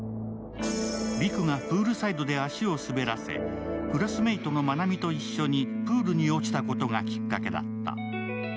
陸がプールサイドで足を滑らせクラスメイトのまなみと一緒にプールに落ちたことがきっかけだった。